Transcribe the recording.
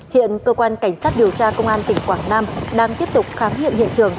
hiện cơ quan cảnh sát điều tra công an tỉnh quảng nam đang tiếp tục khám nghiệm hiện trường